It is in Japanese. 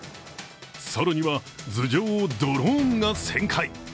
更には頭上をドローンが旋回。